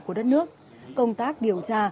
của đất nước công tác điều tra